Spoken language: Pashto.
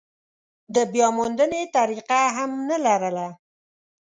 د بیاموندنې طریقه هم نه لرله.